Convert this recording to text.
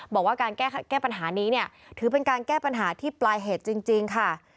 บอกว่าการแก้ปัญหานี้เนี่ยถือเป็นการแก้ปัญหาที่ปลายเหตุจริงค่ะ